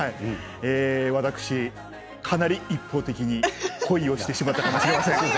私、かなり一方的に恋をしてしまったかもしれません。